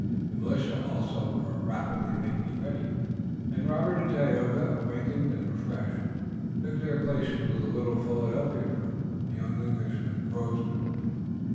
The militia also were rapidly making ready, and Robert and Tayoga, awakened and refreshed, took their places with the little Philadelphia troop and the young Englishman, Grosvenor.